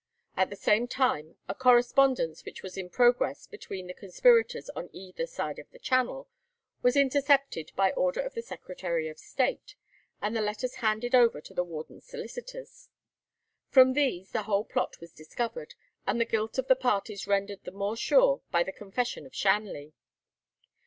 At the same time a correspondence which was in progress between the conspirators on either side of the Channel was intercepted by order of the Secretary of State, and the letters handed over to the warden's solicitors. From these the whole plot was discovered, and the guilt of the parties rendered the more sure by the confession of Shanley.